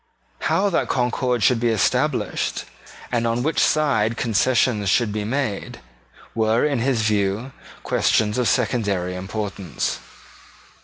How that concord should be established, and on which side concessions should be made, were, in his view, questions of secondary importance.